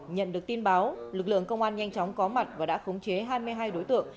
nhận được tin báo lực lượng công an nhanh chóng có mặt và đã khống chế hai mươi hai đối tượng